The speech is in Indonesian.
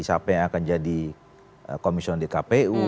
siapa yang akan jadi komisioner kpu